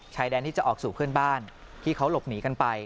ชายแดนที่จะออกสู่เพื่อนบ้านที่เขาหลบหนีกันไป